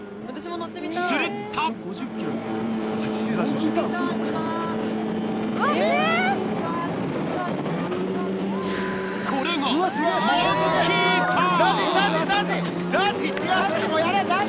するとこれがモンキーターン！